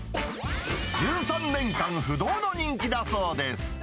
１３年間不動の人気だそうです。